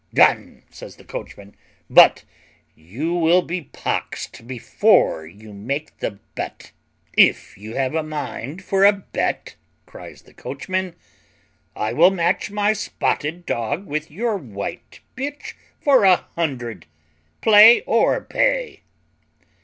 "Done," says the coachman: "but you will be pox'd before you make the bett." "If you have a mind for a bett," cries the coachman, "I will match my spotted dog with your white bitch for a hundred, play or pay."